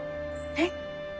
えっ？